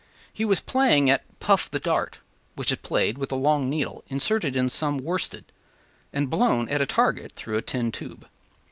He was playing at ‘puff the dart,’ which is played with a long needle inserted in some worsted, and blown at a target through a tin tube.